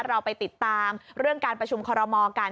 เราไปติดตามเรื่องการประชุมคอรมอกัน